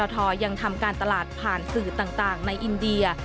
ยังทำการตลาดผ่านสื่อต่างในอินเดีย